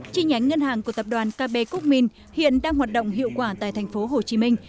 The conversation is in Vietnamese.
chi nhánh ngân hàng của tập đoàn kb quốc minh hiện đang hoạt động hiệu quả tại thành phố hồ chí minh